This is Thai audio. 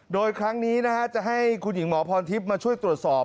โดยครั้งนี้จะให้คุณหญิงหมอพรทิพย์มาช่วยตรวจสอบ